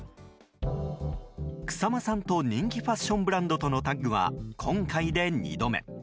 草間さんと人気ファッションブランドとのタッグは今回で２度目。